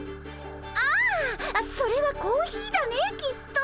ああそれはコーヒーだねきっと。